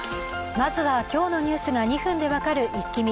まずは今日のニュースが２分で分かるイッキ見。